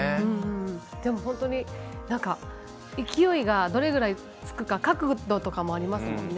でも、本当に勢いがどれぐらいつくか角度とかもありますもんね。